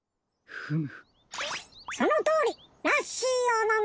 フム。